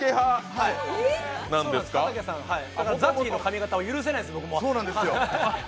ＺＡＺＹの髪形は許せないです、僕も。